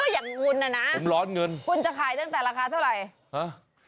อย่างคุณน่ะนะคุณจะขายตั้งแต่ราคาเท่าไหร่ผมร้อนเงิน